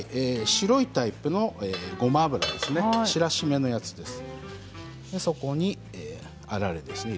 白いタイプのごま油しらしめのやつですね。